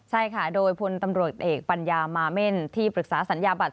ใช่ค่ะโดยพลตำรวจเอกปัญญามาเม่นที่ปรึกษาสัญญาบัตร